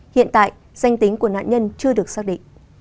hiện tại danh tính của nạn nhân chưa được xác định